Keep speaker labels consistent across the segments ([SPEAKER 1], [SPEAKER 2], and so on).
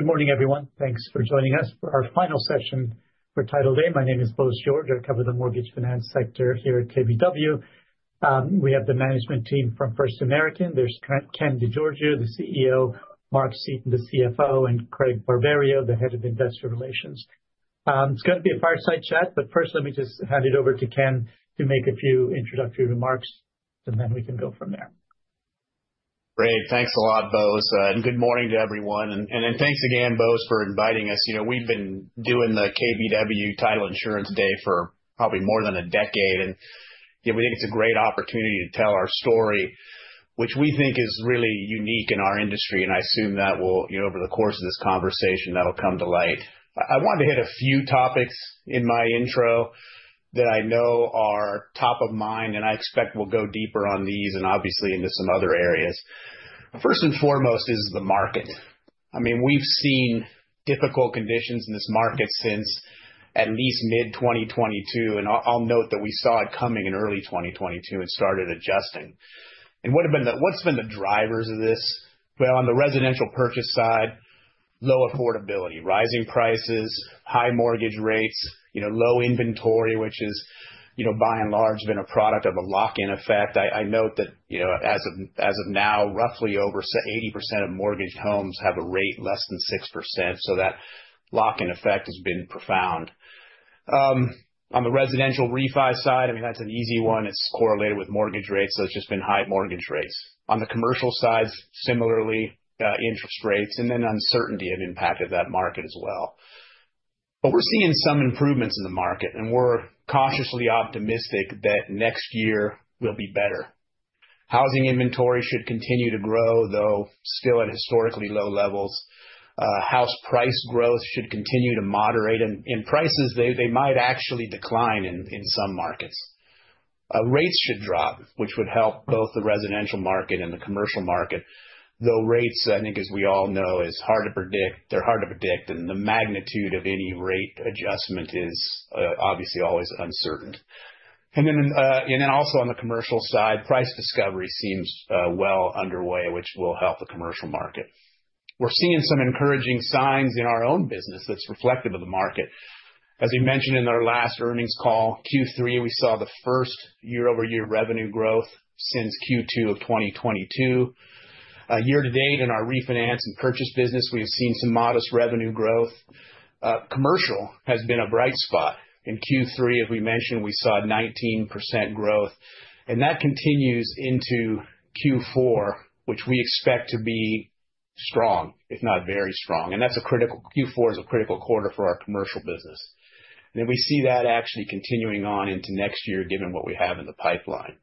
[SPEAKER 1] Good morning, everyone. Thanks for joining us for our final session for Title A. My name is Bose George. I cover the mortgage finance sector here at KBW. We have the management team from First American. There's Ken DeGiorgio, the CEO, Mark Seaton, the CFO, and Craig Barberio, the Head of Investor Relations. It's going to be a fireside chat, but first, let me just hand it over to Ken to make a few introductory remarks, and then we can go from there.
[SPEAKER 2] Great. Thanks a lot, Bose. And good morning to everyone. And thanks again, Bose, for inviting us. We've been doing the KBW Title Insurance Day for probably more than a decade. And we think it's a great opportunity to tell our story, which we think is really unique in our industry. And I assume that will, over the course of this conversation, that'll come to light. I wanted to hit a few topics in my intro that I know are top of mind, and I expect we'll go deeper on these and obviously into some other areas. First and foremost is the market. I mean, we've seen difficult conditions in this market since at least mid-2022. And I'll note that we saw it coming in early 2022. It started adjusting. And what's been the drivers of this? On the residential purchase side, low affordability, rising prices, high mortgage rates, low inventory, which has, by and large, been a product of a lock-in effect. I note that as of now, roughly over 80% of mortgaged homes have a rate less than 6%. So that lock-in effect has been profound. On the residential refi side, I mean, that's an easy one. It's correlated with mortgage rates. So it's just been high mortgage rates. On the commercial side, similarly, interest rates, and then uncertainty have impacted that market as well. But we're seeing some improvements in the market, and we're cautiously optimistic that next year will be better. Housing inventory should continue to grow, though still at historically low levels. House price growth should continue to moderate. Prices, they might actually decline in some markets. Rates should drop, which would help both the residential market and the commercial market. Though rates, I think, as we all know, are hard to predict. They're hard to predict, and the magnitude of any rate adjustment is obviously always uncertain, and then also on the commercial side, price discovery seems well underway, which will help the commercial market. We're seeing some encouraging signs in our own business that's reflective of the market. As we mentioned in our last earnings call, Q3, we saw the first year-over-year revenue growth since Q2 of 2022. Year to date in our refinance and purchase business, we have seen some modest revenue growth. Commercial has been a bright spot. In Q3, as we mentioned, we saw 19% growth, and that continues into Q4, which we expect to be strong, if not very strong. And that's a critical Q4, a critical quarter for our commercial business. And we see that actually continuing on into next year, given what we have in the pipeline.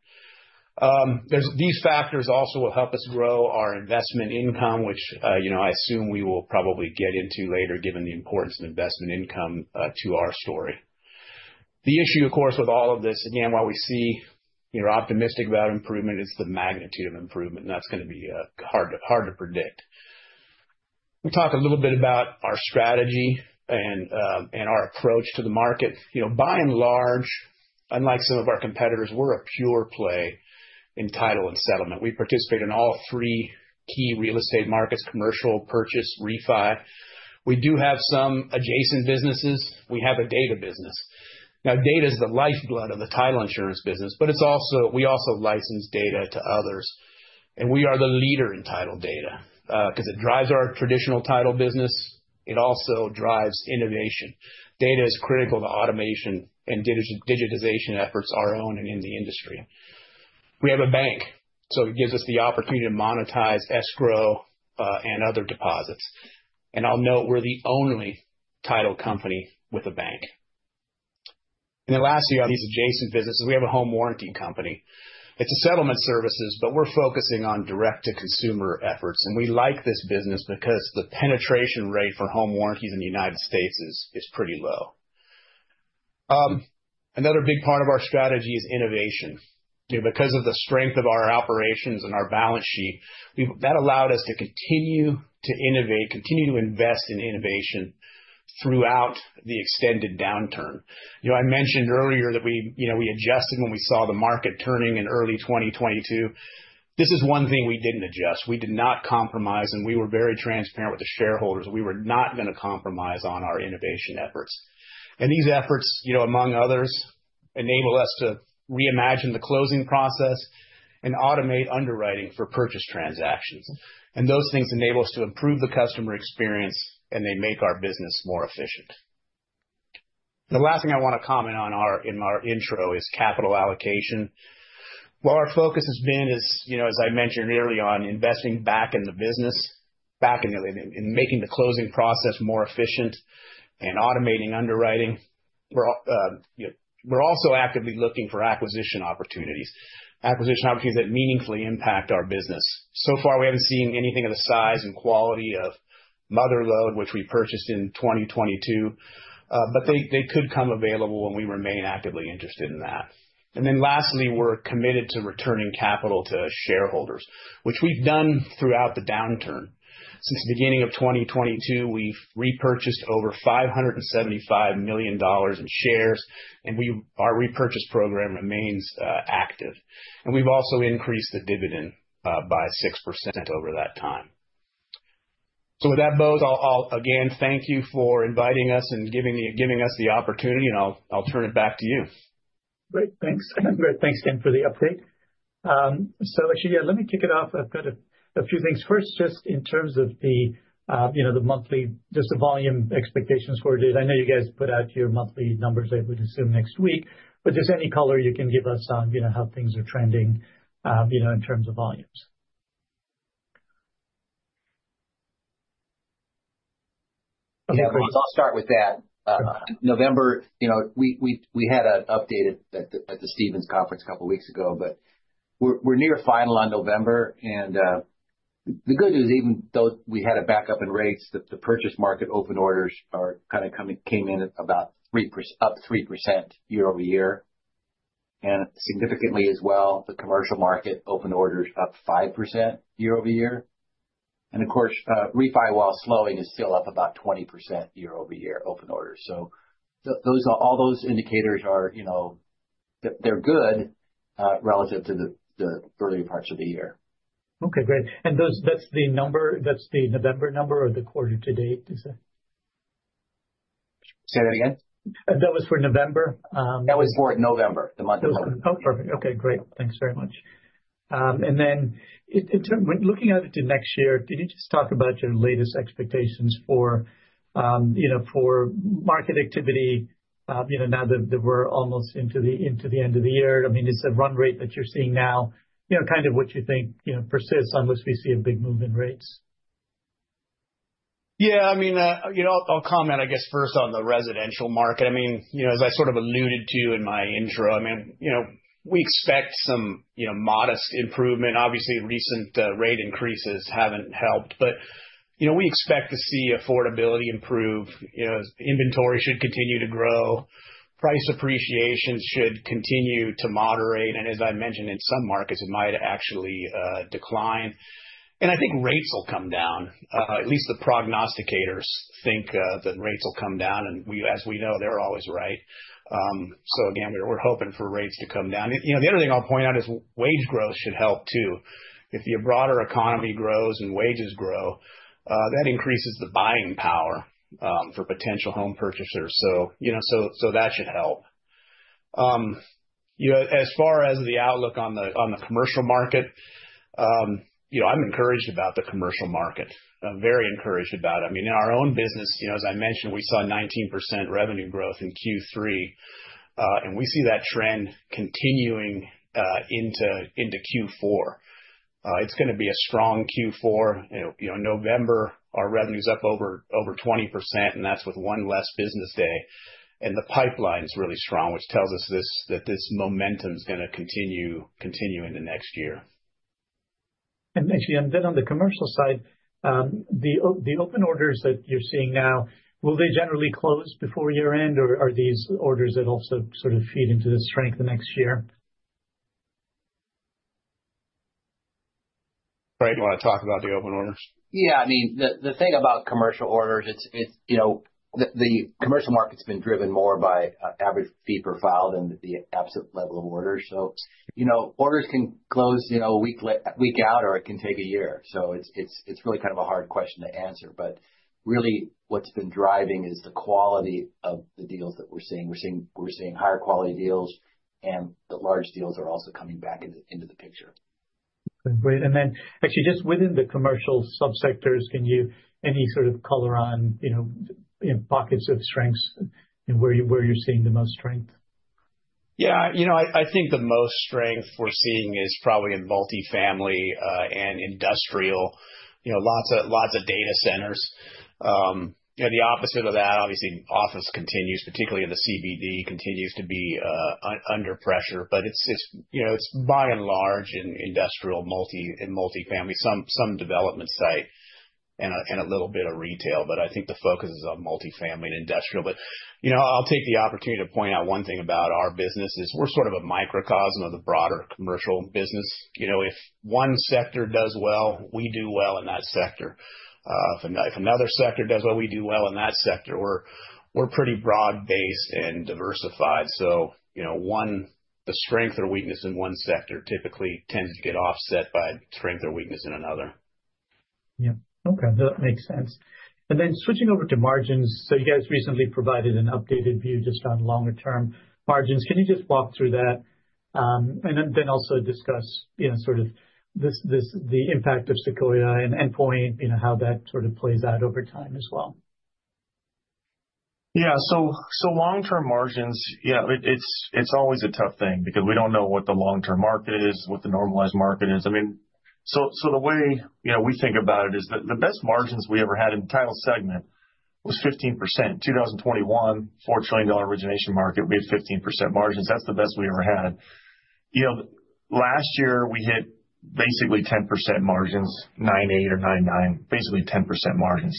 [SPEAKER 2] These factors also will help us grow our investment income, which I assume we will probably get into later, given the importance of investment income to our story. The issue, of course, with all of this, again, while we see, we're optimistic about improvement; it's the magnitude of improvement. And that's going to be hard to predict. We'll talk a little bit about our strategy and our approach to the market. By and large, unlike some of our competitors, we're a pure play in title and settlement. We participate in all three key real estate markets: commercial, purchase, refi. We do have some adjacent businesses. We have a data business. Now, data is the lifeblood of the title insurance business, but we also license data to others. And we are the leader in title data because it drives our traditional title business. It also drives innovation. Data is critical to automation and digitization efforts, our own and in the industry. We have a bank, so it gives us the opportunity to monetize escrow and other deposits. And I'll note we're the only title company with a bank. And then lastly, on these adjacent businesses, we have a home warranty company. It's a settlement services, but we're focusing on direct-to-consumer efforts. And we like this business because the penetration rate for home warranties in the United States is pretty low. Another big part of our strategy is innovation. Because of the strength of our operations and our balance sheet, that allowed us to continue to innovate, continue to invest in innovation throughout the extended downturn. I mentioned earlier that we adjusted when we saw the market turning in early 2022. This is one thing we didn't adjust. We did not compromise, and we were very transparent with the shareholders. We were not going to compromise on our innovation efforts. And these efforts, among others, enable us to reimagine the closing process and automate underwriting for purchase transactions. And those things enable us to improve the customer experience, and they make our business more efficient. The last thing I want to comment on in our intro is capital allocation, well, our focus has been, as I mentioned earlier, on investing back in the business, in making the closing process more efficient and automating underwriting. We're also actively looking for acquisition opportunities that meaningfully impact our business. So far, we haven't seen anything of the size and quality of Mother Lode, which we purchased in 2022, but they could become available while we remain actively interested in that. We're committed to returning capital to shareholders, which we've done throughout the downturn. Since the beginning of 2022, we've repurchased over $575 million in shares, and our repurchase program remains active. We've also increased the dividend by 6% over that time. With that, Bose, I'll again thank you for inviting us and giving us the opportunity, and I'll turn it back to you.
[SPEAKER 1] Great. Thanks. And thanks, Ken, for the update. So actually, yeah, let me kick it off. I've got a few things. First, just in terms of the monthly, just the volume expectations for today, I know you guys put out your monthly numbers I would assume next week, but just any color you can give us on how things are trending in terms of volumes.
[SPEAKER 2] I'll start with that. November, we had an update at the Stephens Conference a couple of weeks ago, but we're near final on November. And the good news, even though we had a backup in rates, the purchase market open orders kind of came in about up 3% year-over-year. And significantly as well, the commercial market open orders up 5% year-over-year. And of course, refi while slowing is still up about 20% year-over-year open orders. So all those indicators are good relative to the earlier parts of the year.
[SPEAKER 1] Okay. Great. And that's the number, that's the November number or the quarter-to-date, you said?
[SPEAKER 2] Say that again.
[SPEAKER 1] That was for November?
[SPEAKER 2] That was for November, the month of November.
[SPEAKER 1] Oh, perfect. Okay. Great. Thanks very much. And then looking at it to next year, can you just talk about your latest expectations for market activity now that we're almost into the end of the year? I mean, it's a run rate that you're seeing now, kind of what you think persists unless we see a big move in rates.
[SPEAKER 2] Yeah. I mean, I'll comment, I guess, first on the residential market. I mean, as I sort of alluded to in my intro, I mean, we expect some modest improvement. Obviously, recent rate increases haven't helped, but we expect to see affordability improve. Inventory should continue to grow. Price appreciation should continue to moderate. And as I mentioned, in some markets, it might actually decline. And I think rates will come down. At least the prognosticators think that rates will come down. And as we know, they're always right. So again, we're hoping for rates to come down. The other thing I'll point out is wage growth should help too. If the broader economy grows and wages grow, that increases the buying power for potential home purchasers. So that should help. As far as the outlook on the commercial market, I'm encouraged about the commercial market. I'm very encouraged about it. I mean, in our own business, as I mentioned, we saw 19% revenue growth in Q3, and we see that trend continuing into Q4. It's going to be a strong Q4. In November, our revenue's up over 20%, and that's with one less business day, and the pipeline is really strong, which tells us that this momentum is going to continue into next year.
[SPEAKER 1] Actually, then on the commercial side, the open orders that you're seeing now, will they generally close before year-end, or are these orders that also sort of feed into the strength of next year?
[SPEAKER 2] Craig, do you want to talk about the open orders?
[SPEAKER 3] Yeah. I mean, the thing about commercial orders, the commercial market's been driven more by average fee profile than the absolute level of orders. So orders can close a week out, or it can take a year. So it's really kind of a hard question to answer. But really, what's been driving is the quality of the deals that we're seeing. We're seeing higher quality deals, and the large deals are also coming back into the picture.
[SPEAKER 1] Great. And then actually, just within the commercial subsectors, can you give any sort of color on pockets of strengths where you're seeing the most strength?
[SPEAKER 3] Yeah. I think the most strength we're seeing is probably in multifamily and industrial, lots of data centers. The opposite of that, obviously, office continues, particularly in the CBD, continues to be under pressure. But it's by and large in industrial and multifamily, some development site and a little bit of retail. But I think the focus is on multifamily and industrial. But I'll take the opportunity to point out one thing about our business is we're sort of a microcosm of the broader commercial business. If one sector does well, we do well in that sector. If another sector does well, we do well in that sector. We're pretty broad-based and diversified. So the strength or weakness in one sector typically tends to get offset by strength or weakness in another.
[SPEAKER 1] Yeah. Okay. That makes sense, and then switching over to margins, so you guys recently provided an updated view just on longer-term margins. Can you just walk through that and then also discuss sort of the impact of Sequoia and Endpoint, how that sort of plays out over time as well?
[SPEAKER 4] Yeah. So long-term margins, yeah, it's always a tough thing because we don't know what the long-term market is, what the normalized market is. I mean, so the way we think about it is the best margins we ever had in the title segment was 15%. 2021, $4 trillion origination market, we had 15% margins. That's the best we ever had. Last year, we hit basically 10% margins, 9.8% or 9.9%, basically 10% margins.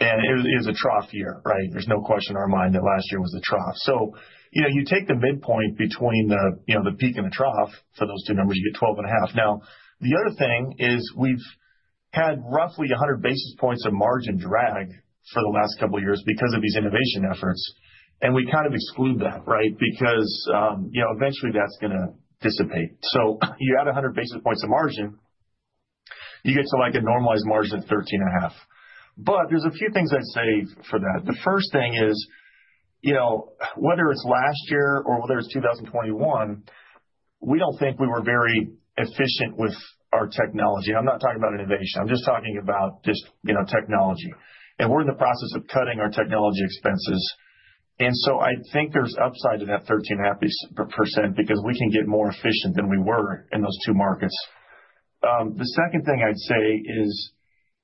[SPEAKER 4] And it was a trough year, right? There's no question in our mind that last year was a trough. So you take the midpoint between the peak and the trough for those two numbers, you get 12.5%. Now, the other thing is we've had roughly 100 basis points of margin drag for the last couple of years because of these innovation efforts. And we kind of exclude that, right? Because eventually, that's going to dissipate. So you add 100 basis points of margin, you get to a normalized margin of 13.5%. But there's a few things I'd say for that. The first thing is whether it's last year or whether it's 2021, we don't think we were very efficient with our technology. I'm not talking about innovation. I'm just talking about just technology. And we're in the process of cutting our technology expenses. And so I think there's upside to that 13.5% because we can get more efficient than we were in those two markets. The second thing I'd say is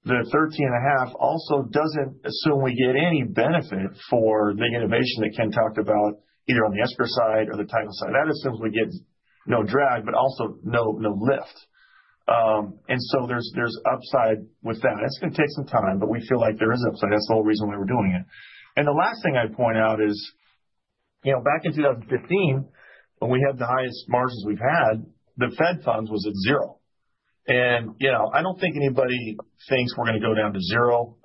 [SPEAKER 4] the 13.5% also doesn't assume we get any benefit for the innovation that Ken talked about either on the escrow side or the title side. That assumes we get no drag, but also no lift. And so there's upside with that. It's going to take some time, but we feel like there is upside. That's the whole reason why we're doing it. And the last thing I'd point out is back in 2015, when we had the highest margins we've had, the Fed funds was at zero. And I don't think anybody thinks we're going to go down to zero.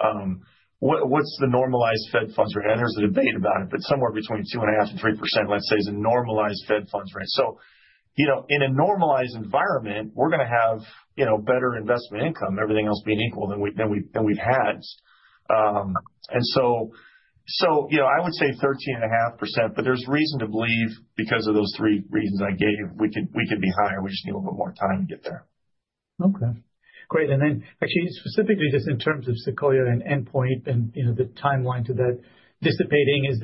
[SPEAKER 4] What's the normalized Fed funds rate? I know there's a debate about it, but somewhere between 2.5%-3%, let's say, is a normalized Fed funds rate. So in a normalized environment, we're going to have better investment income, everything else being equal than we've had. And so I would say 13.5%, but there's reason to believe because of those three reasons I gave, we could be higher. We just need a little bit more time to get there.
[SPEAKER 1] Okay. Great. And then actually, specifically just in terms of Sequoia and Endpoint and the timeline to that dissipating, is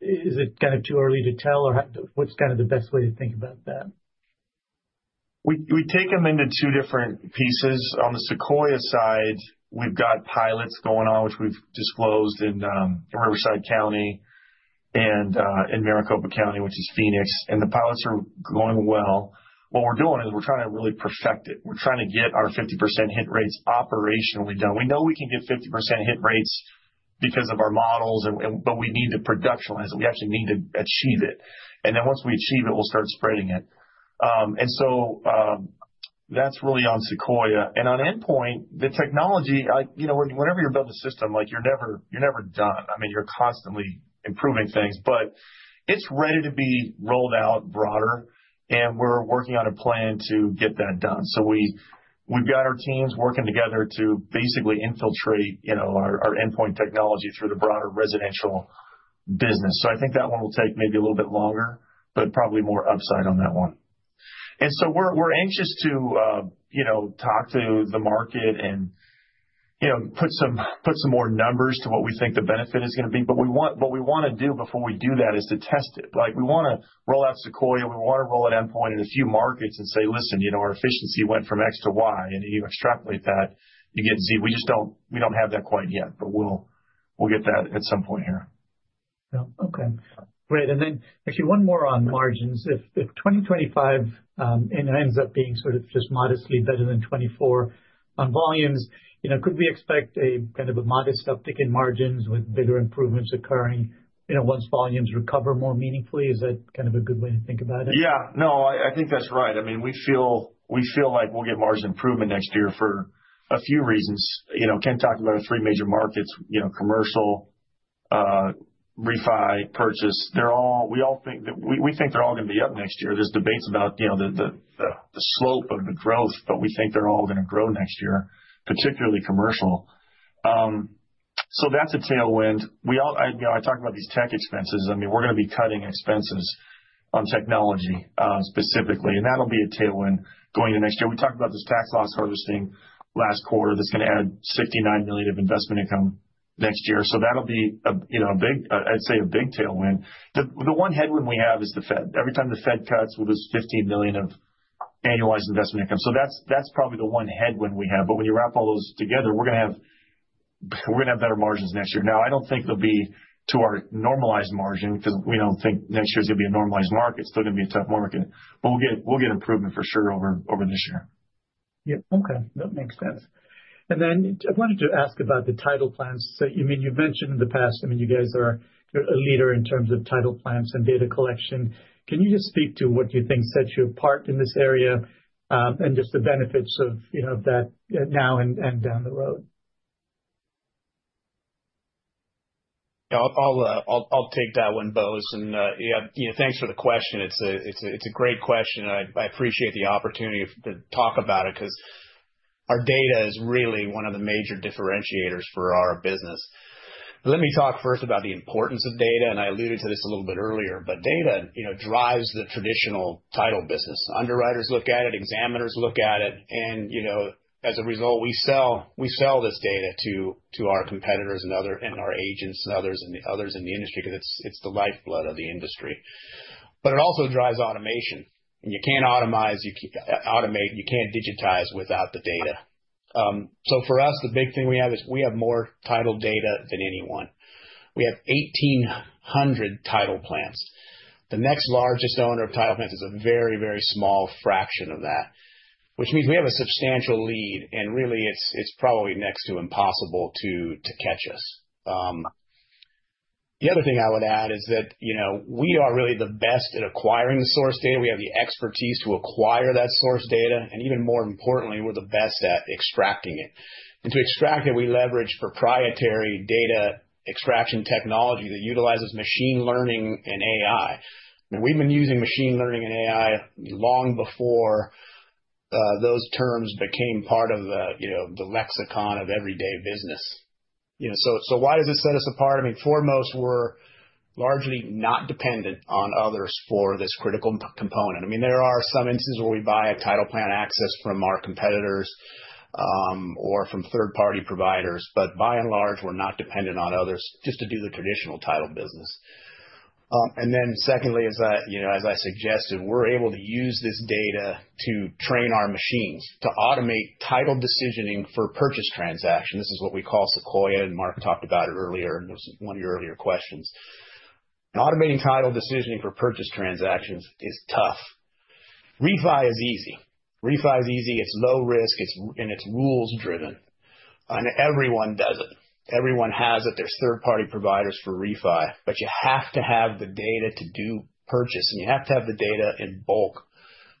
[SPEAKER 1] it kind of too early to tell, or what's kind of the best way to think about that?
[SPEAKER 4] We take them into two different pieces. On the Sequoia side, we've got pilots going on, which we've disclosed in Riverside County and Maricopa County, which is Phoenix. And the pilots are going well. What we're doing is we're trying to really perfect it. We're trying to get our 50% hit rates operationally done. We know we can get 50% hit rates because of our models, but we need to productionize it. We actually need to achieve it. And then once we achieve it, we'll start spreading it. And so that's really on Sequoia. And on Endpoint, the technology, whenever you're building a system, you're never done. I mean, you're constantly improving things, but it's ready to be rolled out broader, and we're working on a plan to get that done. So we've got our teams working together to basically infiltrate our Endpoint technology through the broader residential business. So I think that one will take maybe a little bit longer, but probably more upside on that one. And so we're anxious to talk to the market and put some more numbers to what we think the benefit is going to be. But what we want to do before we do that is to test it. We want to roll out Sequoia. We want to roll out Endpoint in a few markets and say, "Listen, our efficiency went from X to Y." And then you extrapolate that, you get Z. We don't have that quite yet, but we'll get that at some point here.
[SPEAKER 1] Yeah. Okay. Great. And then actually, one more on margins. If 2025 ends up being sort of just modestly better than 2024 on volumes, could we expect a kind of a modest uptick in margins with bigger improvements occurring once volumes recover more meaningfully? Is that kind of a good way to think about it?
[SPEAKER 4] Yeah. No, I think that's right. I mean, we feel like we'll get margin improvement next year for a few reasons. Ken talked about our three major markets: commercial, refi, purchase. We all think they're all going to be up next year. There's debates about the slope of the growth, but we think they're all going to grow next year, particularly commercial. So that's a tailwind. I talked about these tech expenses. I mean, we're going to be cutting expenses on technology specifically. And that'll be a tailwind going into next year. We talked about this tax loss harvesting last quarter. That's going to add $69 million of investment income next year. So that'll be, I'd say, a big tailwind. The one headwind we have is the Fed. Every time the Fed cuts, well, there's $15 million of annualized investment income. So that's probably the one headwind we have. But when you wrap all those together, we're going to have better margins next year. Now, I don't think it'll be to our normalized margin because we don't think next year's going to be a normalized market. It's still going to be a tough market. But we'll get improvement for sure over this year.
[SPEAKER 1] Yeah. Okay. That makes sense. And then I wanted to ask about the title plants. So I mean, you've mentioned in the past, I mean, you guys are a leader in terms of title plants and data collection. Can you just speak to what you think sets you apart in this area and just the benefits of that now and down the road?
[SPEAKER 2] Yeah. I'll take that one, Bose, and thanks for the question. It's a great question. I appreciate the opportunity to talk about it because our data is really one of the major differentiators for our business. Let me talk first about the importance of data, and I alluded to this a little bit earlier, but data drives the traditional title business. Underwriters look at it. Examiners look at it, and as a result, we sell this data to our competitors and our agents and others in the industry because it's the lifeblood of the industry, but it also drives automation, and you can't automate. You can't digitize without the data, so for us, the big thing we have is we have more title data than anyone. We have 1,800 title plants. The next largest owner of title plants is a very, very small fraction of that, which means we have a substantial lead. And really, it's probably next to impossible to catch us. The other thing I would add is that we are really the best at acquiring the source data. We have the expertise to acquire that source data. And even more importantly, we're the best at extracting it. And to extract it, we leverage proprietary data extraction technology that utilizes machine learning and AI. And we've been using machine learning and AI long before those terms became part of the lexicon of everyday business. So why does this set us apart? I mean, foremost, we're largely not dependent on others for this critical component. I mean, there are some instances where we buy a title plant access from our competitors or from third-party providers. But by and large, we're not dependent on others just to do the traditional title business. And then secondly, as I suggested, we're able to use this data to train our machines to automate title decisioning for purchase transactions. This is what we call Sequoia. And Mark talked about it earlier in one of your earlier questions. And automating title decisioning for purchase transactions is tough. Refi is easy. Refi is easy. It's low risk, and it's rules-driven. And everyone does it. Everyone has it. There's third-party providers for refi, but you have to have the data to do purchase. And you have to have the data in bulk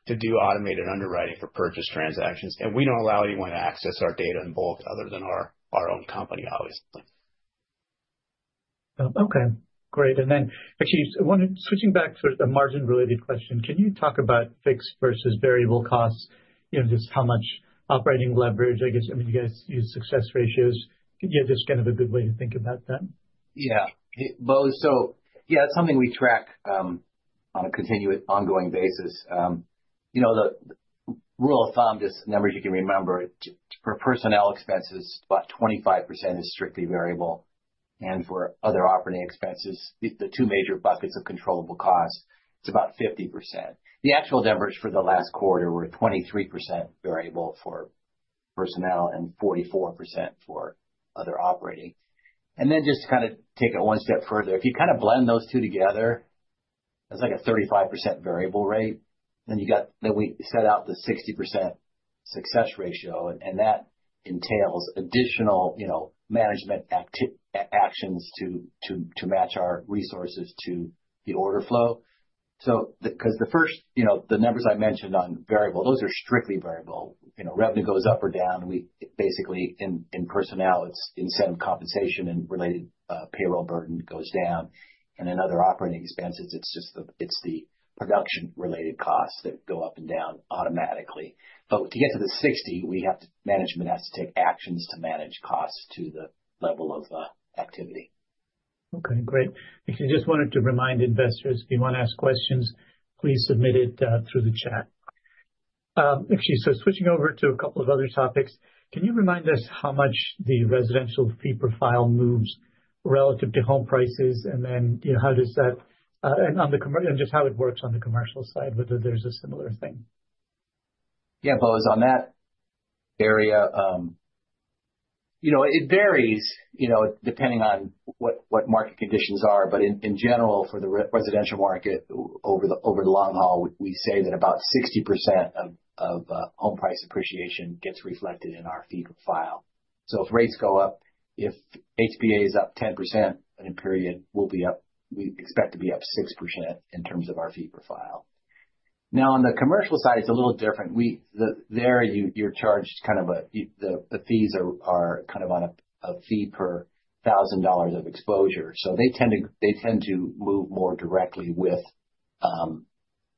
[SPEAKER 2] to do automated underwriting for purchase transactions. And we don't allow anyone to access our data in bulk other than our own company, obviously.
[SPEAKER 1] Okay. Great. And then actually, switching back to a margin-related question, can you talk about fixed versus variable costs, just how much operating leverage? I guess, I mean, you guys use success ratios. Yeah, just kind of a good way to think about that.
[SPEAKER 2] Yeah. So yeah, it's something we track on a continuous ongoing basis. The rule of thumb, just numbers you can remember, for personnel expenses, about 25% is strictly variable, and for other operating expenses, the two major buckets of controllable costs, it's about 50%. The actual numbers for the last quarter were 23% variable for personnel and 44% for other operating, and then just to kind of take it one step further, if you kind of blend those two together, that's like a 35% variable rate, then we set out the 60% success ratio, and that entails additional management actions to match our resources to the order flow, so because the first, the numbers I mentioned on variable, those are strictly variable. Revenue goes up or down. Basically, in personnel, it's incentive compensation and related payroll burden goes down. And in other operating expenses, it's the production-related costs that go up and down automatically. But to get to the 60, management has to take actions to manage costs to the level of activity.
[SPEAKER 1] Okay. Great. Actually, just wanted to remind investors, if you want to ask questions, please submit it through the chat. Actually, so switching over to a couple of other topics, can you remind us how much the residential fee profile moves relative to home prices? And then how does that and just how it works on the commercial side, whether there's a similar thing?
[SPEAKER 2] Yeah, Bose, on that area, it varies depending on what market conditions are. But in general, for the residential market, over the long haul, we say that about 60% of home price appreciation gets reflected in our fee profile. So if rates go up, if HPA is up 10% in a period, we'll be up, we expect to be up 6% in terms of our fee profile. Now, on the commercial side, it's a little different. There, you're charged kind of, the fees are kind of on a fee per thousand dollars of exposure. So they tend to move more directly with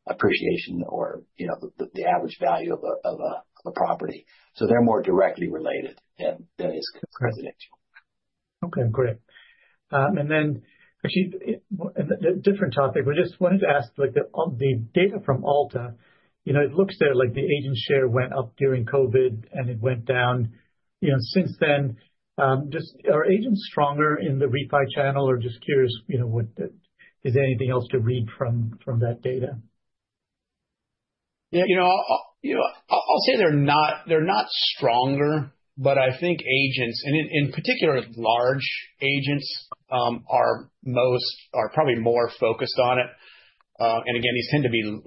[SPEAKER 2] appreciation or the average value of a property. So they're more directly related than is residential.
[SPEAKER 1] Okay. Great. And then actually, a different topic. We just wanted to ask the data from Alta. It looks there like the agent share went up during COVID, and it went down. Since then, are agents stronger in the refi channel? Or just curious, is there anything else to read from that data?
[SPEAKER 2] Yeah. I'll say they're not stronger, but I think agents, and in particular, large agents are probably more focused on it. And again, these tend to be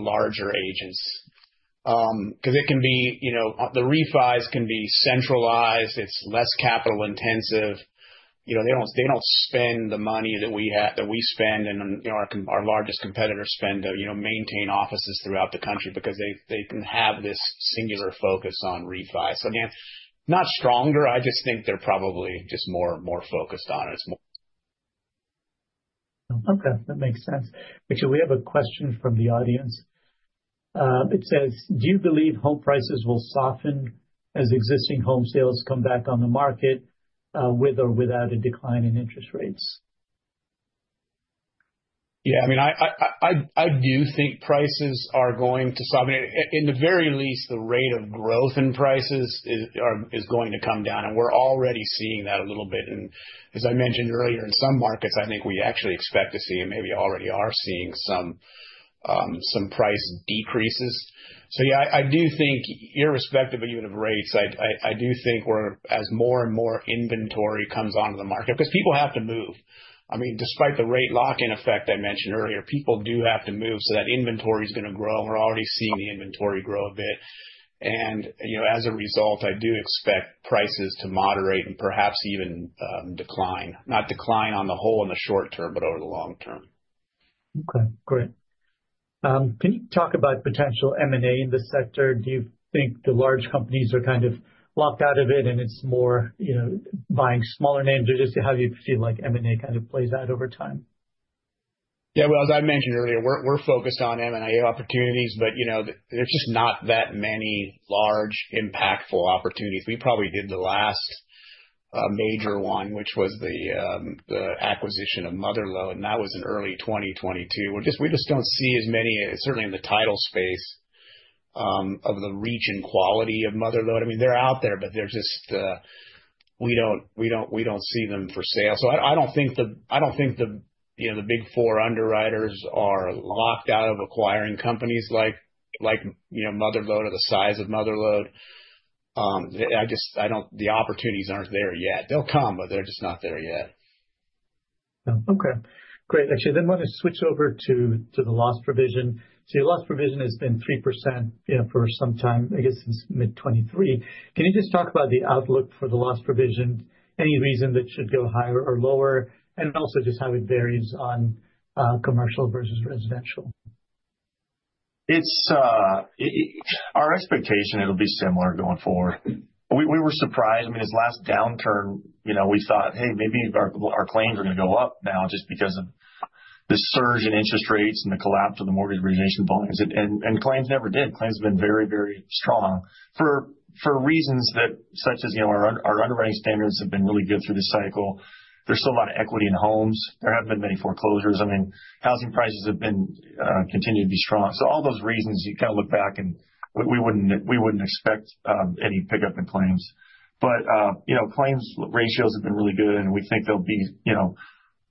[SPEAKER 2] larger agents because it can be the refis can be centralized. It's less capital-intensive. They don't spend the money that we spend, and our largest competitors spend to maintain offices throughout the country because they can have this singular focus on refi. So again, not stronger. I just think they're probably just more focused on it.
[SPEAKER 1] Okay. That makes sense. Actually, we have a question from the audience. It says, "Do you believe home prices will soften as existing home sales come back on the market with or without a decline in interest rates?
[SPEAKER 2] Yeah. I mean, I do think prices are going to soften a bit. In the very least, the rate of growth in prices is going to come down. And we're already seeing that a little bit. And as I mentioned earlier, in some markets, I think we actually expect to see and maybe already are seeing some price decreases. So yeah, I do think irrespective even of rates, I do think as more and more inventory comes onto the market because people have to move. I mean, despite the rate lock-in effect I mentioned earlier, people do have to move. So that inventory is going to grow. And we're already seeing the inventory grow a bit. And as a result, I do expect prices to moderate and perhaps even decline. Not decline on the whole in the short term, but over the long term.
[SPEAKER 1] Okay. Great. Can you talk about potential M&A in this sector? Do you think the large companies are kind of locked out of it, and it's more buying smaller names? Or just how do you feel like M&A kind of plays out over time?
[SPEAKER 2] Yeah. Well, as I mentioned earlier, we're focused on M&A opportunities, but there's just not that many large impactful opportunities. We probably did the last major one, which was the acquisition of Mother Lode. And that was in early 2022. We just don't see as many, certainly in the title space, of the reach and quality of Mother Lode. I mean, they're out there, but we don't see them for sale. So I don't think the big four underwriters are locked out of acquiring companies like Mother Lode or the size of Mother Lode. The opportunities aren't there yet. They'll come, but they're just not there yet.
[SPEAKER 1] Okay. Great. Actually, I did want to switch over to the loss provision. So your loss provision has been 3% for some time, I guess, since mid-2023. Can you just talk about the outlook for the loss provision? Any reason that should go higher or lower? And also just how it varies on commercial versus residential.
[SPEAKER 2] Our expectation, it'll be similar going forward. We were surprised. I mean, this last downturn, we thought, "Hey, maybe our claims are going to go up now just because of the surge in interest rates and the collapse of the mortgage origination volumes," and claims never did. Claims have been very, very strong for reasons such as our underwriting standards have been really good through this cycle. There's still a lot of equity in homes. There haven't been many foreclosures. I mean, housing prices have continued to be strong. So all those reasons, you kind of look back, and we wouldn't expect any pickup in claims. But claims ratios have been really good, and we think they'll be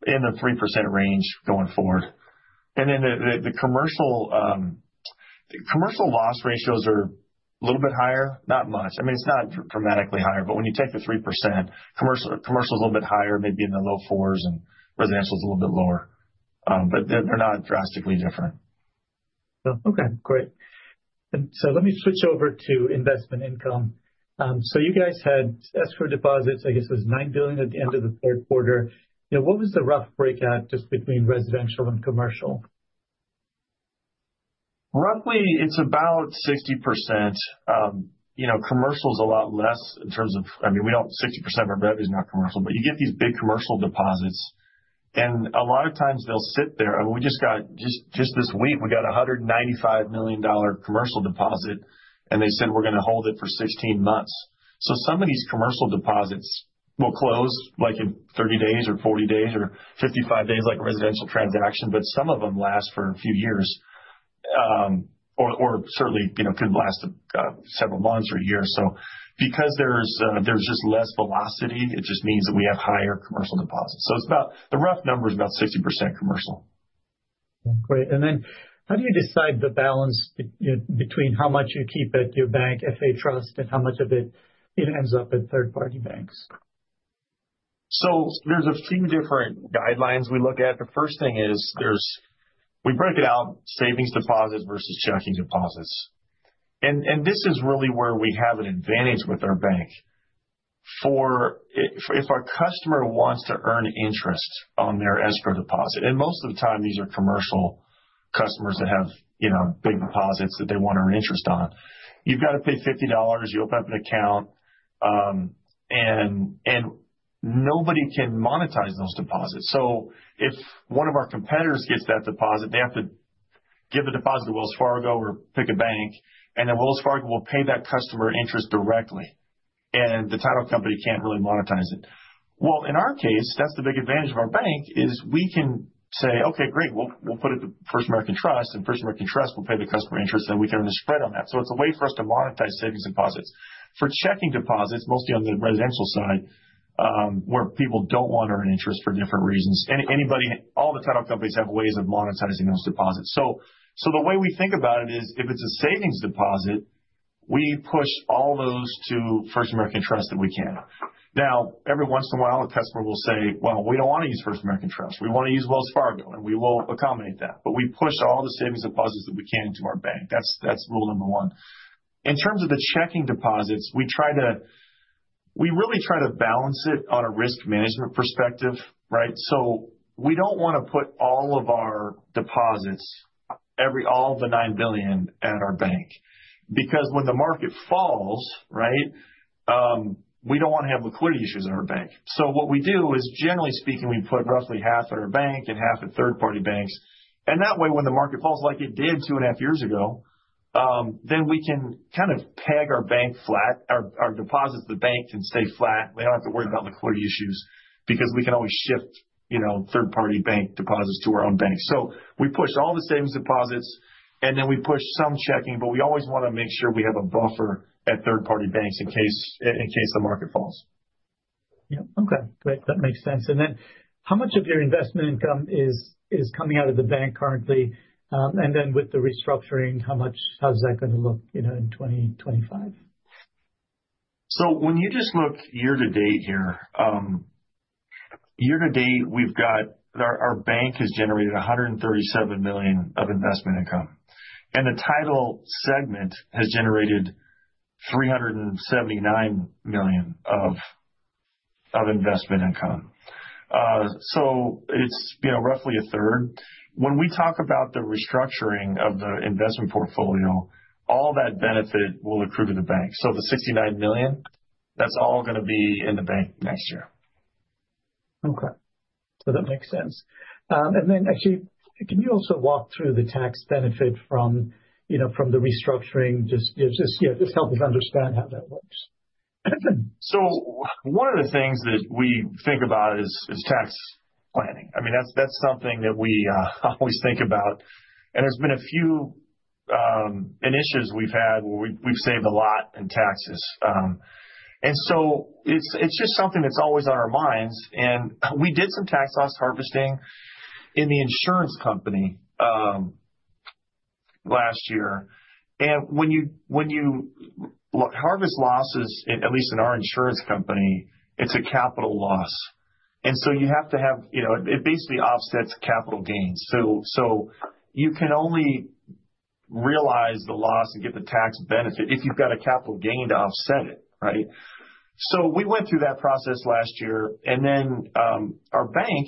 [SPEAKER 2] in the 3% range going forward, and then the commercial loss ratios are a little bit higher. Not much. I mean, it's not dramatically higher, but when you take the 3%, commercial is a little bit higher, maybe in the low fours, and residential is a little bit lower. But they're not drastically different.
[SPEAKER 1] Okay. Great. And so let me switch over to investment income. So you guys had escrow deposits, I guess it was $9 billion at the end of the third quarter. What was the rough breakout just between residential and commercial?
[SPEAKER 2] Roughly, it's about 60%. Commercial is a lot less in terms of, I mean, 60% of our revenue is now commercial. But you get these big commercial deposits. And a lot of times, they'll sit there. I mean, we just got, just this week, a $195 million commercial deposit, and they said, "We're going to hold it for 16 months." So some of these commercial deposits will close in 30 days or 40 days or 55 days like a residential transaction, but some of them last for a few years or certainly could last several months or a year. So because there's just less velocity, it just means that we have higher commercial deposits. So the rough number is about 60% commercial.
[SPEAKER 1] Great. And then how do you decide the balance between how much you keep at your bank, FA Trust, and how much of it ends up at third-party banks?
[SPEAKER 2] So there's a few different guidelines we look at. The first thing is we break it out, savings deposits versus checking deposits. And this is really where we have an advantage with our bank. If our customer wants to earn interest on their escrow deposit, and most of the time, these are commercial customers that have big deposits that they want to earn interest on, you've got to pay $50. You open up an account, and nobody can monetize those deposits. So if one of our competitors gets that deposit, they have to give the deposit to Wells Fargo or pick a bank, and then Wells Fargo will pay that customer interest directly. And the title company can't really monetize it. Well, in our case, that's the big advantage of our bank is we can say, "Okay, great. We'll put it to First American Trust, and First American Trust will pay the customer interest, and we can earn a spread on that. So it's a way for us to monetize savings deposits. For checking deposits, mostly on the residential side, where people don't want to earn interest for different reasons, all the title companies have ways of monetizing those deposits. So the way we think about it is if it's a savings deposit, we push all those to First American Trust that we can. Now, every once in a while, a customer will say, "Well, we don't want to use First American Trust. We want to use Wells Fargo, and we will accommodate that." But we push all the savings deposits that we can to our bank. That's rule number one. In terms of the checking deposits, we really try to balance it on a risk management perspective, right? So we don't want to put all of our deposits, all the $9 billion, at our bank because when the market falls, right, we don't want to have liquidity issues at our bank. So what we do is, generally speaking, we put roughly half at our bank and half at third-party banks. And that way, when the market falls like it did two and a half years ago, then we can kind of peg our bank flat. Our deposits at the bank can stay flat. We don't have to worry about liquidity issues because we can always shift third-party bank deposits to our own bank. So we push all the savings deposits, and then we push some checking, but we always want to make sure we have a buffer at third-party banks in case the market falls.
[SPEAKER 1] Yeah. Okay. Great. That makes sense. And then how much of your investment income is coming out of the bank currently? And then with the restructuring, how's that going to look in 2025?
[SPEAKER 2] So when you just look year-to-date here, year-to-date, our bank has generated $137 million of investment income. And the title segment has generated $379 million of investment income. So it's roughly a third. When we talk about the restructuring of the investment portfolio, all that benefit will accrue to the bank. So the $69 million, that's all going to be in the bank next year.
[SPEAKER 1] Okay. So that makes sense. And then actually, can you also walk through the tax benefit from the restructuring? Just help us understand how that works.
[SPEAKER 2] So one of the things that we think about is tax planning. I mean, that's something that we always think about. And there's been a few initiatives we've had where we've saved a lot in taxes. And so it's just something that's always on our minds. And we did some tax loss harvesting in the insurance company last year. And when you harvest losses, at least in our insurance company, it's a capital loss. And so you have to have it basically offsets capital gains. So you can only realize the loss and get the tax benefit if you've got a capital gain to offset it, right? So we went through that process last year. And then our bank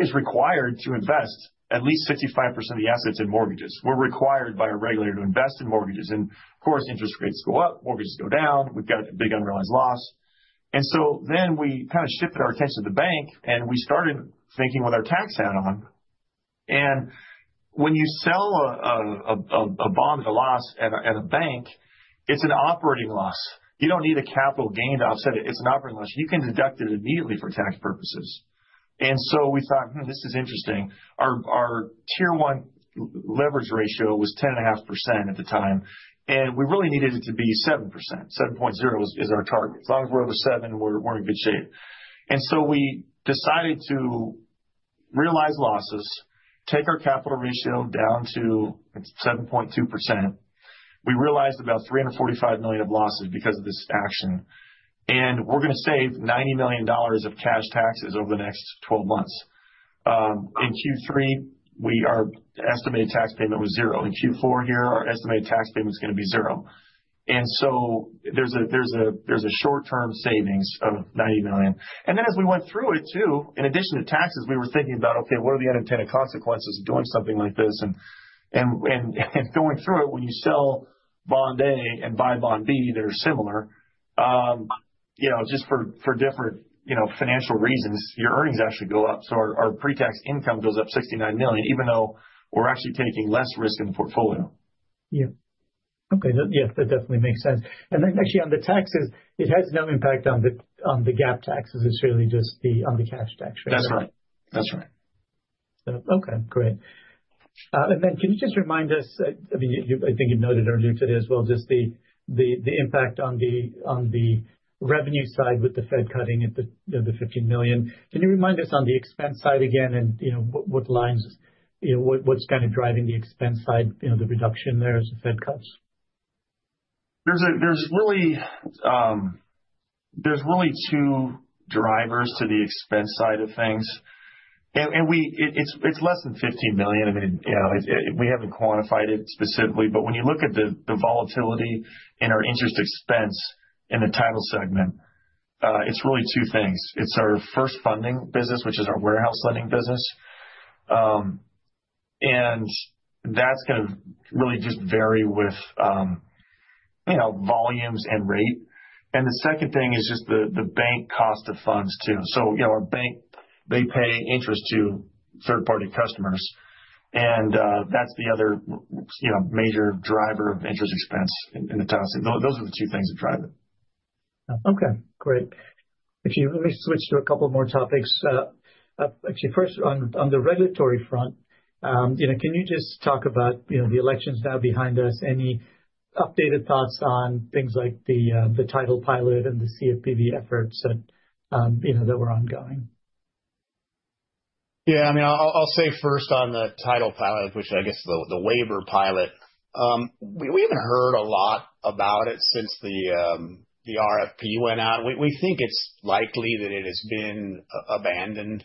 [SPEAKER 2] is required to invest at least 65% of the assets in mortgages. We're required by a regulator to invest in mortgages. And of course, interest rates go up, mortgages go down. We've got a big unrealized loss. And so then we kind of shifted our attention to the bank, and we started thinking what the tax impact on. And when you sell a bond at a loss at a bank, it's an operating loss. You don't need a capital gain to offset it. It's an operating loss. You can deduct it immediately for tax purposes. And so we thought, "This is interesting." Our Tier 1 leverage ratio was 10.5% at the time, and we really needed it to be 7%. 7.0 is our target. As long as we're over 7, we're in good shape. And so we decided to realize losses, take our capital ratio down to 7.2%. We realized about $345 million of losses because of this action. And we're going to save $90 million of cash taxes over the next 12 months. In Q3, our estimated tax payment was zero. In Q4 here, our estimated tax payment is going to be zero. And so there's a short-term savings of $90 million. And then as we went through it too, in addition to taxes, we were thinking about, "Okay, what are the unintended consequences of doing something like this?" And going through it, when you sell bond A and buy bond B that are similar just for different financial reasons, your earnings actually go up. So our pre-tax income goes up $69 million, even though we're actually taking less risk in the portfolio.
[SPEAKER 1] Yeah. Okay. Yes, that definitely makes sense. And actually, on the taxes, it has no impact on the gap taxes. It's really just on the cash tax, right?
[SPEAKER 2] That's right. That's right.
[SPEAKER 1] Okay. Great. And then can you just remind us, I mean, I think you noted earlier today as well, just the impact on the revenue side with the Fed cutting at the 15 million? Can you remind us on the expense side again and what's kind of driving the expense side, the reduction there as the Fed cuts?
[SPEAKER 2] There's really two drivers to the expense side of things, and it's less than $15 million. I mean, we haven't quantified it specifically, but when you look at the volatility in our interest expense in the title segment, it's really two things. It's our first funding business, which is our warehouse lending business, and that's going to really just vary with volumes and rate, and the second thing is just the bank cost of funds too. So our bank, they pay interest to third-party customers, and that's the other major driver of interest expense in the title segment. Those are the two things that drive it.
[SPEAKER 1] Okay. Great. Actually, let me switch to a couple more topics. Actually, first, on the regulatory front, can you just talk about the election is now behind us? Any updated thoughts on things like the title pilot and the CFPB efforts that were ongoing?
[SPEAKER 2] Yeah. I mean, I'll say first on the title pilot, which I guess is the waiver pilot. We haven't heard a lot about it since the RFP went out. We think it's likely that it has been abandoned.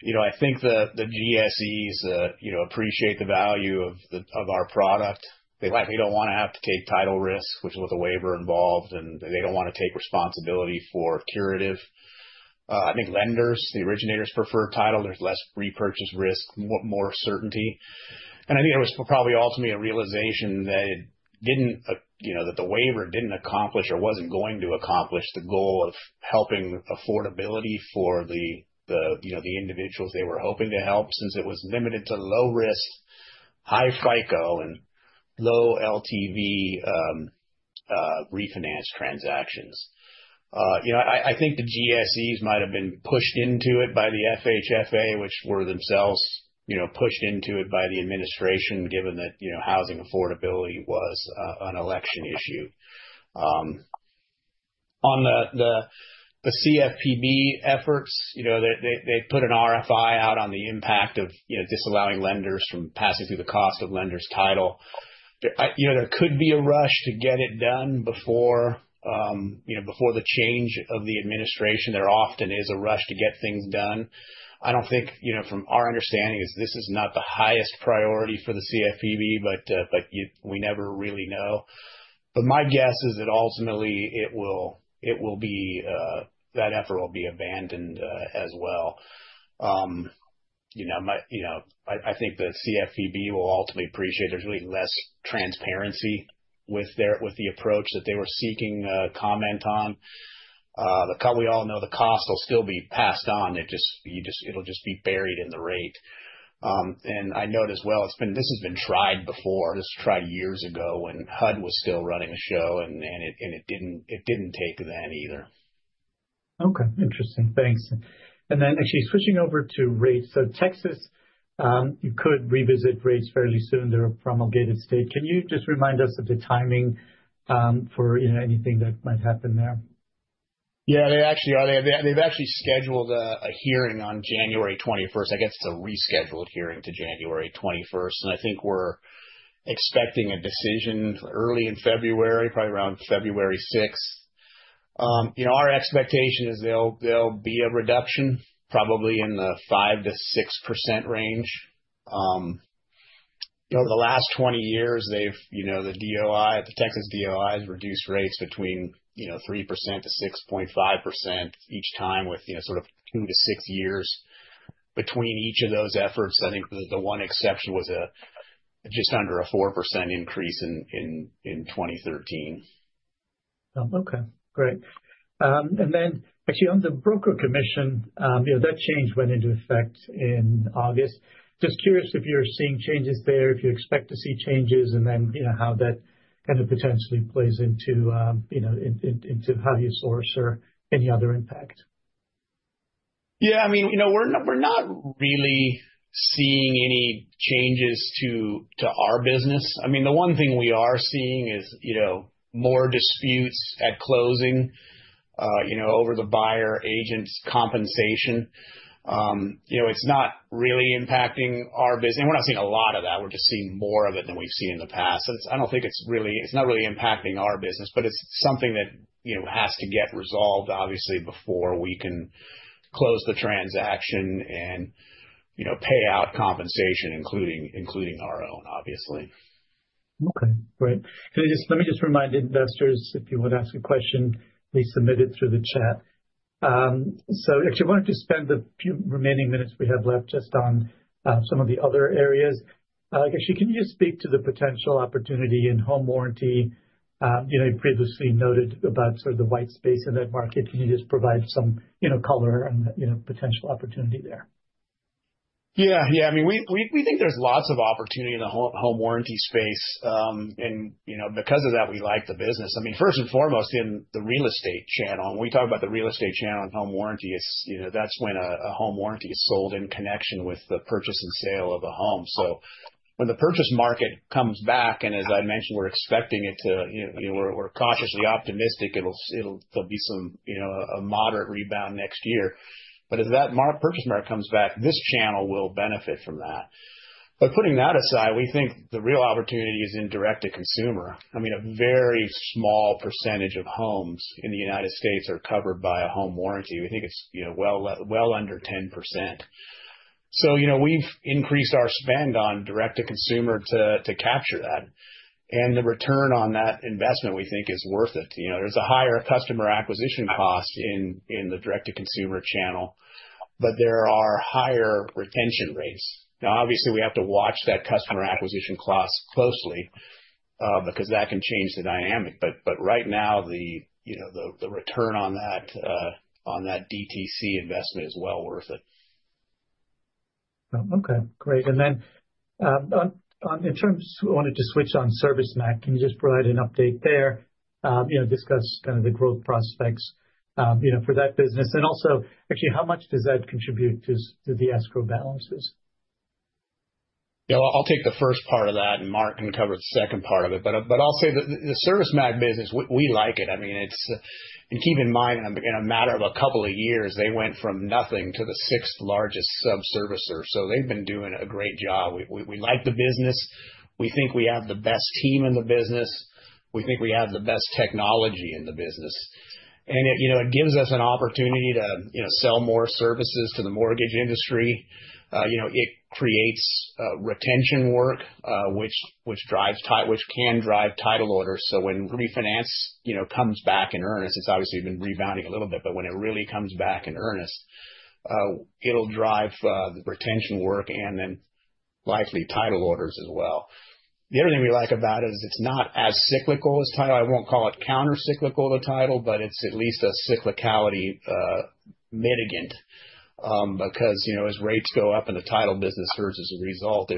[SPEAKER 2] I think the GSEs appreciate the value of our product. They likely don't want to have to take title risk, which is with a waiver involved, and they don't want to take responsibility for curative. I think lenders, the originators, prefer title. There's less repurchase risk, more certainty. And I think it was probably ultimately a realization that the waiver didn't accomplish or wasn't going to accomplish the goal of helping affordability for the individuals they were hoping to help since it was limited to low-risk, high FICO, and low LTV refinance transactions. I think the GSEs might have been pushed into it by the FHFA, which were themselves pushed into it by the administration, given that housing affordability was an election issue. On the CFPB efforts, they put an RFI out on the impact of disallowing lenders from passing through the cost of lenders' title. There could be a rush to get it done before the change of the administration. There often is a rush to get things done. I don't think, from our understanding, this is not the highest priority for the CFPB, but we never really know. But my guess is that ultimately, that effort will be abandoned as well. I think the CFPB will ultimately appreciate there's really less transparency with the approach that they were seeking comment on. But we all know the cost will still be passed on. It'll just be buried in the rate. I note as well, this has been tried before. This was tried years ago when HUD was still running the show, and it didn't take then either.
[SPEAKER 1] Okay. Interesting. Thanks. And then actually, switching over to rates. So Texas, you could revisit rates fairly soon. They're a promulgated state. Can you just remind us of the timing for anything that might happen there?
[SPEAKER 2] Yeah. They've actually scheduled a hearing on January 21st. I guess it's a rescheduled hearing to January 21st, and I think we're expecting a decision early in February, probably around February 6th. Our expectation is there'll be a reduction, probably in the 5%-6% range. Over the last 20 years, the Texas DOI has reduced rates between 3%-6.5% each time with sort of two to six years between each of those efforts. I think the one exception was just under a 4% increase in 2013.
[SPEAKER 1] Okay. Great. And then actually, on the broker commission, that change went into effect in August. Just curious if you're seeing changes there, if you expect to see changes, and then how that kind of potentially plays into how you source or any other impact.
[SPEAKER 2] Yeah. I mean, we're not really seeing any changes to our business. I mean, the one thing we are seeing is more disputes at closing over the buyer agent's compensation. It's not really impacting our business. And we're not seeing a lot of that. We're just seeing more of it than we've seen in the past. So I don't think it's not really impacting our business, but it's something that has to get resolved, obviously, before we can close the transaction and pay out compensation, including our own, obviously.
[SPEAKER 1] Okay. Great. Let me just remind investors, if you would ask a question, please submit it through the chat. So actually, I wanted to spend the remaining minutes we have left just on some of the other areas. Actually, can you just speak to the potential opportunity in home warranty? You previously noted about sort of the white space in that market. Can you just provide some color on the potential opportunity there?
[SPEAKER 2] Yeah. Yeah. I mean, we think there's lots of opportunity in the home warranty space. And because of that, we like the business. I mean, first and foremost, in the real estate channel. When we talk about the real estate channel and home warranty, that's when a home warranty is sold in connection with the purchase and sale of a home. So when the purchase market comes back, and as I mentioned, we're expecting it to. We're cautiously optimistic there'll be a moderate rebound next year. But as that purchase market comes back, this channel will benefit from that. But putting that aside, we think the real opportunity is in direct-to-consumer. I mean, a very small percentage of homes in the United States are covered by a home warranty. We think it's well under 10%. So we've increased our spend on direct-to-consumer to capture that. The return on that investment, we think, is worth it. There's a higher customer acquisition cost in the direct-to-consumer channel, but there are higher retention rates. Now, obviously, we have to watch that customer acquisition cost closely because that can change the dynamic. Right now, the return on that DTC investment is well worth it.
[SPEAKER 1] Okay. Great. And then in terms, I wanted to switch on ServiceMac. Can you just provide an update there? Discuss kind of the growth prospects for that business. And also, actually, how much does that contribute to the escrow balances?
[SPEAKER 2] Yeah. I'll take the first part of that and Mark can cover the second part of it. But I'll say the ServiceMac business, we like it. I mean, and keep in mind, in a matter of a couple of years, they went from nothing to the sixth largest sub-servicer. So they've been doing a great job. We like the business. We think we have the best team in the business. We think we have the best technology in the business. And it gives us an opportunity to sell more services to the mortgage industry. It creates retention work, which can drive title orders. So when refinance comes back in earnest, it's obviously been rebounding a little bit. But when it really comes back in earnest, it'll drive retention work and then likely title orders as well. The other thing we like about it is it's not as cyclical as title. I won't call it counter-cyclical to title, but it's at least a cyclicality mitigant. Because as rates go up and the title business hurt as a result,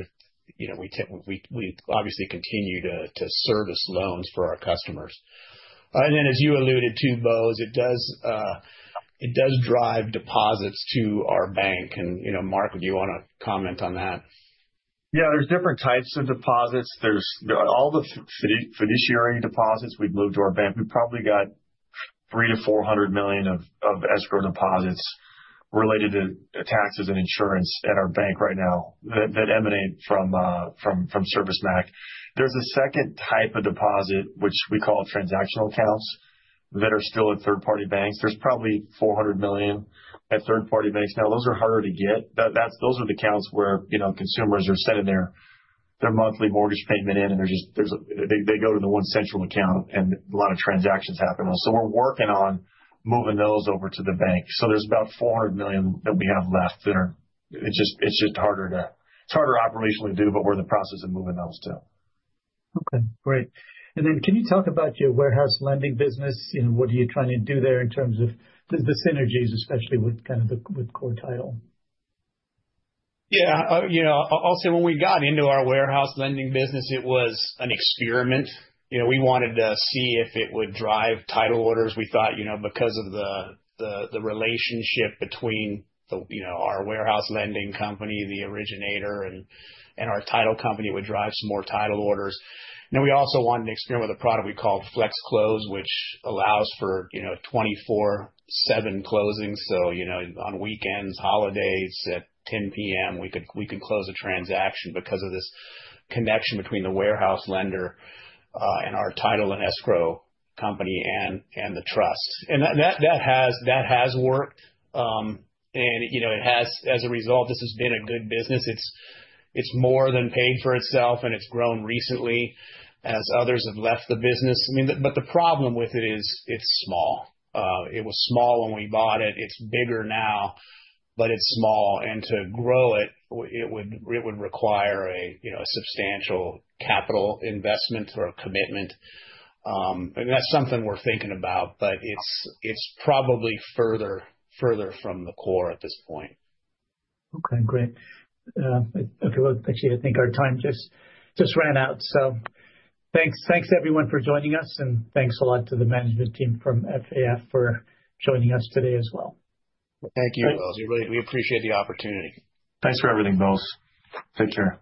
[SPEAKER 2] we obviously continue to service loans for our customers. And then, as you alluded to, Bose, it does drive deposits to our bank. And Mark, would you want to comment on that?
[SPEAKER 4] Yeah. There's different types of deposits. All the fiduciary deposits we've moved to our bank. We've probably got $300 million-$400 million of escrow deposits related to taxes and insurance at our bank right now that emanate from ServiceMac. There's a second type of deposit, which we call transactional accounts, that are still at third-party banks. There's probably $400 million at third-party banks. Now, those are harder to get. Those are the accounts where consumers are sending their monthly mortgage payment in, and they go to the one central account, and a lot of transactions happen on it. So we're working on moving those over to the bank. So there's about $400 million that we have left that are. It's just harder operationally to do, but we're in the process of moving those too.
[SPEAKER 1] Okay. Great. And then can you talk about your warehouse lending business? What are you trying to do there in terms of the synergies, especially with kind of the core title?
[SPEAKER 2] Yeah. I'll say when we got into our warehouse lending business, it was an experiment. We wanted to see if it would drive title orders. We thought because of the relationship between our warehouse lending company, the originator, and our title company would drive some more title orders, and then we also wanted to experiment with a product we called FlexClose, which allows for 24/7 closings, so on weekends, holidays, at 10:00 P.M., we could close a transaction because of this connection between the warehouse lender and our title and escrow company and the trust, and that has worked, and as a result, this has been a good business. It's more than paid for itself, and it's grown recently as others have left the business. I mean, but the problem with it is it's small. It was small when we bought it. It's bigger now, but it's small. And to grow it, it would require a substantial capital investment or commitment. And that's something we're thinking about, but it's probably further from the core at this point.
[SPEAKER 1] Okay. Great. Okay. Well, actually, I think our time just ran out, so thanks everyone for joining us, and thanks a lot to the management team from FAF for joining us today as well.
[SPEAKER 2] Thank you, Bose. We appreciate the opportunity.
[SPEAKER 3] Thanks for everything, Bose. Take care.